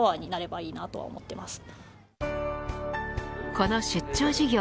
この出張授業